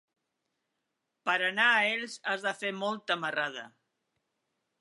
Per anar a Elx has de fer molta marrada.